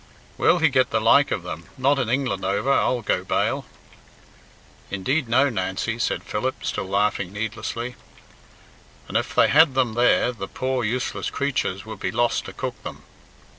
"Where'll he get the like of them? Not in England over, I'll go bail." "Indeed, no, Nancy," said Philip, still laughing needlessly. "And if they had them there, the poor, useless creatures would be lost to cook them."